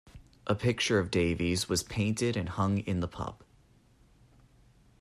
A picture of Davies was painted and hung in the pub.